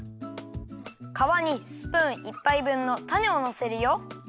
かわにスプーンいっぱいぶんのタネをのせるよ。